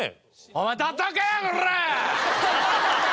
お前たたけやコラ！